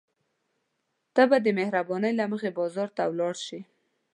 ته به د مهربانۍ له مخې بازار ته ولاړ شې.